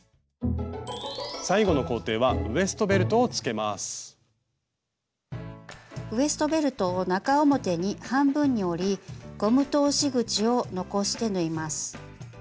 最後の工程はウエストベルトを中表に半分に折りゴム通し口を残して縫います。